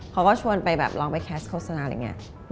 เขาก็ชวนไปแบบลองไปแคสโฆษณาอะไรอย่างนี้